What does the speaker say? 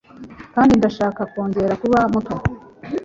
kandi ndashaka kongera kuba muto